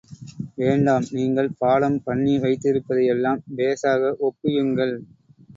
வேண்டாம், நீங்கள் பாடம் பண்ணி வைத்திருப்பதையெல்லாம் பேஷாக ஒப்பியுங்கள்.